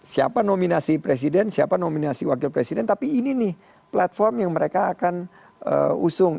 siapa nominasi presiden siapa nominasi wakil presiden tapi ini nih platform yang mereka akan usung